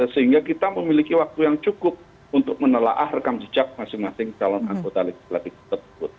sehingga kita memiliki waktu yang cukup untuk menelaah rekam jejak masing masing calon anggota legislatif tersebut